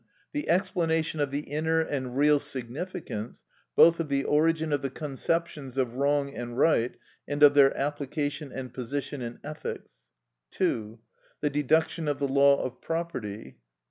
The explanation of the inner and real significance both of the origin of the conceptions of wrong and right, and of their application and position in ethics. 2. The deduction of the law of property.